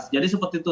jadi seperti itu